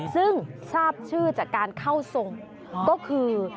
ซึ่งทราบชื่อจากการเข้าทรงก็คือ